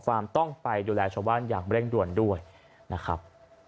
ต้องไปดูแลชาวบ้านอย่างเร่งด่วนด้วยนะครับ